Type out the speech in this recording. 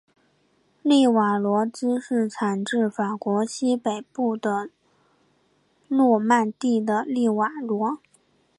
利瓦罗芝士产自法国西北部的诺曼第的利瓦罗。